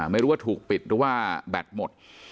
ไม่รู้ว่าถูกปิดหรือว่าแบตหมด